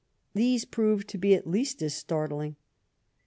These proved to be at least as startling.